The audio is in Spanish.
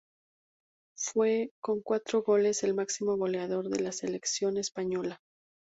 Fue con cuatro goles el máximo goleador de la Selección Española.